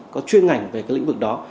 có chuyên ngành về cái lĩnh vực đó